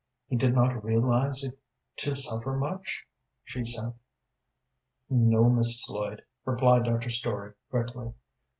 "He did not realize it to suffer much?" she said. "No, Mrs. Lloyd," replied Dr. Story, quickly.